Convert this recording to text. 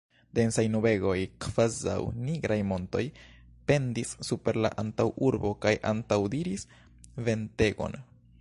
Densaj nubegoj, kvazaŭ nigraj montoj, pendis super la antaŭurbo kaj antaŭdiris ventegon.